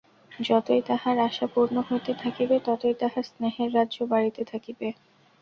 যতই তাঁহার আশা পূর্ণ হইতে থাকিবে, ততই তাঁহার স্নেহের রাজ্য বাড়িতে থাকিবে।